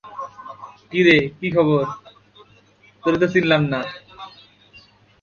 তিনি কেন্ট নারী দলের হয়ে উদ্বোধনী ব্যাটসম্যান হিসেবে ব্যাটিং করেন এবং উইকেট-রক্ষকের দায়িত্বও পালন করে থাকেন।